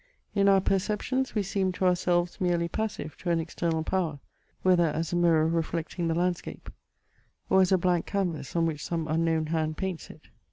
In our perceptions we seem to ourselves merely passive to an external power, whether as a mirror reflecting the landscape, or as a blank canvass on which some unknown hand paints it.